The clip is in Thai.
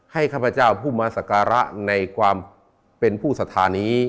ข้าพเจ้าผู้มาสการะในความเป็นผู้สัทธานี้